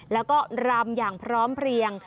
แล้วก็รำอย่างพร้อมเพลียง